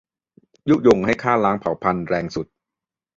ยุยงให้ฆ่าล้างเผ่าพันธุ์แรงสุด